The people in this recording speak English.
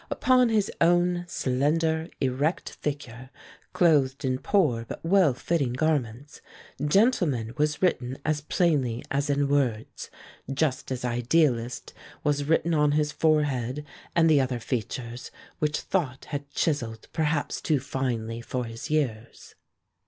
Upon his own slender, erect figure, clothed in poor but well fitting garments, gentleman was written as plainly as in words, just as idealist was written on his forehead and the other features which thought had chiselled perhaps too finely for his years.